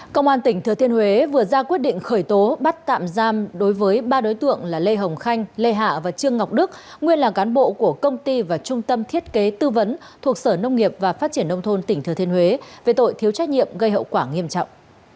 công an tỉnh thừa thiên huế vừa ra quyết định khởi tố bắt tạm giam đối với ba đối tượng là lê hồng khanh lê hạ và trương ngọc đức nguyên là cán bộ của công ty và trung tâm thiết kế tư vấn thuộc sở nông nghiệp và phát triển nông thôn tỉnh thừa thiên huế về tội thiếu trách nhiệm gây hậu quả nghiêm trọng